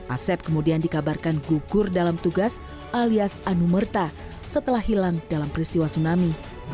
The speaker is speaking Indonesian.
asep kemudian dikabarkan gugur dalam tugas alias anu merta setelah hilang dalam peristiwa tsunami dua ribu empat